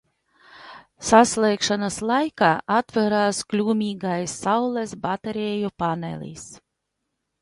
Saslēgšanās laikā atvērās kļūmīgais saules bateriju panelis.